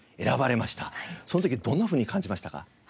その時どんなふうに感じましたか？